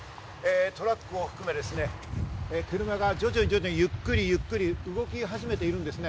トラックも含め車が徐々にゆっくり動き始めているんですね。